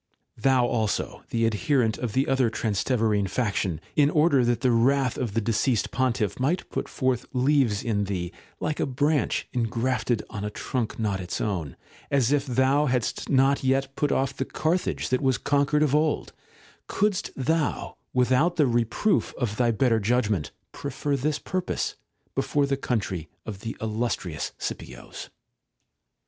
Thou also, the adherent of the other Transteverine faction, in order that the wrath of the deceased pontiff might put forth leaves in thee, like a branch engrafted on a trunk not its own, as if thou hadst not yet put off the Carthage that was conquered of old, couldst thou, without the reproof of thy better judge ment, prefer this purpose before the country of the illustrious Scipios? ^, EPISTOLA VIII 147 §11.